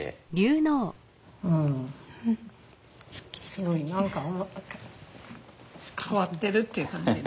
すごい何か変わってるっていう感じ。